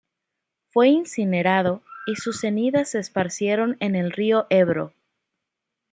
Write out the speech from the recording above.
Fue incinerado y sus cenizas se esparcieron en el río Ebro.